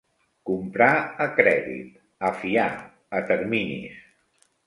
Comprar a crèdit, a fiar, a terminis.